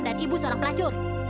dan ibu pelacur